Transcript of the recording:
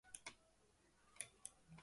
Beste aldea, alga norizko pralina.